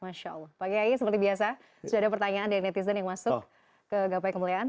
masya allah pak kiai seperti biasa sudah ada pertanyaan dari netizen yang masuk ke gapai kemuliaan